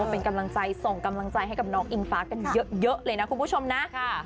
เป็นกำลังใจส่งกำลังใจให้กับน้องอิงฟ้ากันเยอะเลยนะคุณผู้ชมนะ